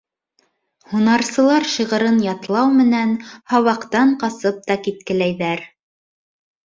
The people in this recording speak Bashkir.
Һунарсылар шиғырын ятлау менән һабаҡтан ҡасып та киткеләйҙәр.